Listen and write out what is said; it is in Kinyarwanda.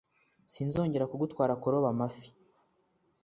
Sinzongera kugutwara kuroba amafi.